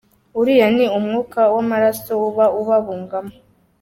Uriya ni umwuka w’amaraso uba ubabungamo.